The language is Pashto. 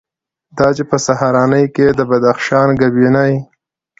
دا چې په سهارنۍ کې یې د بدخشان ګبیني،